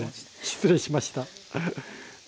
失礼しました。